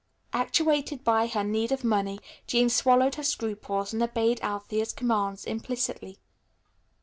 Actuated by her need of money, Jean swallowed her scruples and obeyed Althea's commands implicitly.